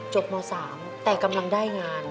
ม๓แต่กำลังได้งาน